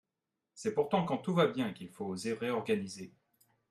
C’est pourtant quand tout va bien qu’il faut oser réorganiser.